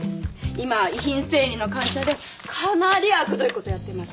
今は遺品整理の会社でかなりあくどいことやってます。